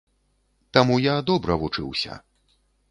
Таму я добра вучыўся.